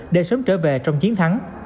để sớm trở về trong chiến thắng